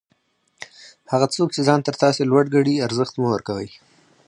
هغه څوک چي ځان تر تاسي لوړ ګڼي؛ ارزښت مه ورکوئ!